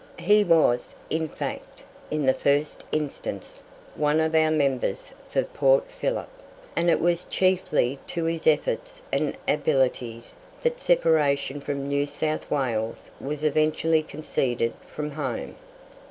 He was, in fact, in the first instance, one of our members for Port Phillip, and it was chiefly to his efforts and abilities that separation from New South Wales was eventually conceded from Home.